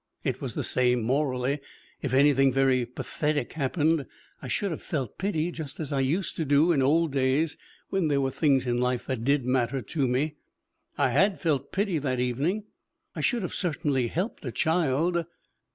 It was the same morally: if anything very pathetic happened, I should have felt pity just as I used to do in old days when there were things in life that did matter to me. I had felt pity that evening. I should have certainly helped a child.